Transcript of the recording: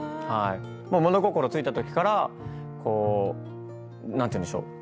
物心ついたときからこう何ていうんでしょう。